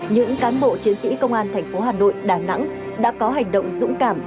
những cán bộ chiến sĩ công an thành phố hà nội đà nẵng đã có hành động dũng cảm